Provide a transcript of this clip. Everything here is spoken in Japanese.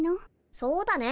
そうだね。